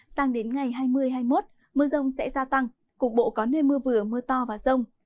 sang đến ngày hai mươi hai mươi một mưa rông sẽ gia tăng cục bộ có nơi mưa vừa mưa to và rông